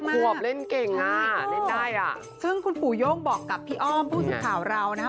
ขวบเล่นเก่งอ่ะเล่นได้อ่ะซึ่งคุณปู่โย่งบอกกับพี่อ้อมผู้สื่อข่าวเรานะครับ